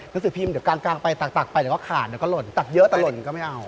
สือพิมพ์เดี๋ยวกลางไปตักไปเดี๋ยวก็ขาดเดี๋ยวก็หล่นตักเยอะแต่หล่นก็ไม่เอา